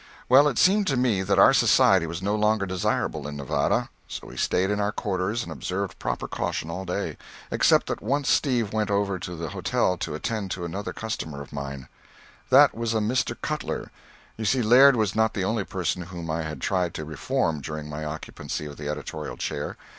Well, it seemed to me that our society was no longer desirable in Nevada; so we stayed in our quarters and observed proper caution all day except that once Steve went over to the hotel to attend to another customer of mine. That was a Mr. Cutler. You see Laird was not the only person whom I had tried to reform during my occupancy of the editorial chair.